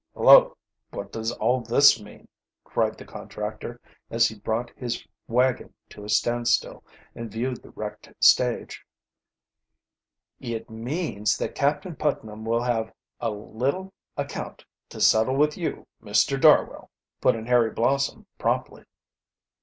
"Hullo, what does all this mean?" cried the contractor, as he brought his wagon to a standstill, and viewed the wrecked stage. "It means that Captain Putnam will have a little account to settle with you, Mr. Darwell," put in Harry Blossom promptly.